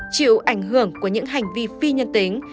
chịu ảnh hưởng của những hành vi phi nhân tính